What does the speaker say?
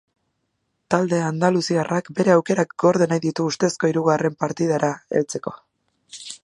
Talde andaluziarrak bere aukerak gorde nahi ditu ustezko hirugarren partidara heltzeko.